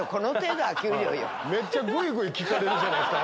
めっちゃグイグイ聞かれるじゃないですか。